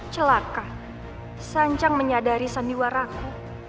celaka sanjang menyadari sandiwar aku